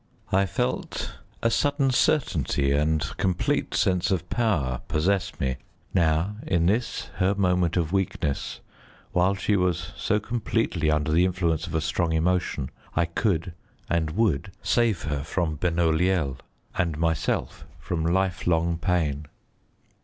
I felt a sudden certainty, and complete sense of power possess me. Now, in this her moment of weakness, while she was so completely under the influence of a strong emotion, I could and would save her from Benoliel, and myself from life long pain.